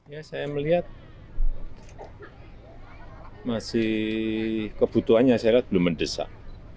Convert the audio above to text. ya saya melihat masih kebutuhannya saya lihat belum mendesak